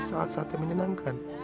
saat saat yang menyenangkan